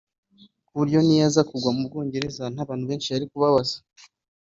ku buryo iyo aza no kugwa mu Bwongereza nta bantu benshi yari kubabaza